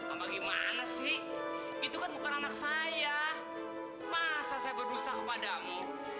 apa gimana sih itu kan bukan anak saya masa saya berdusta kepadamu